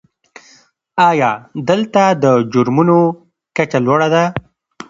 آیا دلته د جرمونو کچه لوړه ده؟